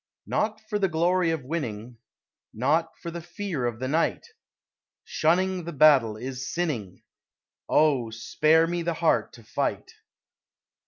Not for the glory of winning, Not for the fear of the night; Shunning the battle is sinning Oh, spare me the heart to fight!